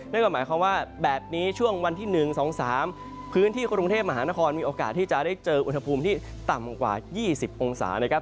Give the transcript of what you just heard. นั่นก็หมายความว่าแบบนี้ช่วงวันที่๑๒๓พื้นที่กรุงเทพมหานครมีโอกาสที่จะได้เจออุณหภูมิที่ต่ำกว่า๒๐องศานะครับ